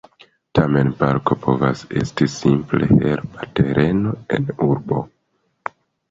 Tamen, parko povas esti simple herba tereno en urbo.